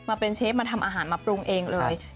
มาเป็นเชฟมาทำอาหารมาปรุงเองเลย